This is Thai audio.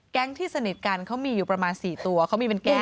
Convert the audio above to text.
ที่สนิทกันเขามีอยู่ประมาณ๔ตัวเขามีเป็นแก๊ง